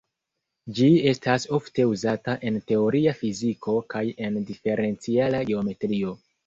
Ĝi estas ofte uzata en teoria fiziko kaj en diferenciala geometrio.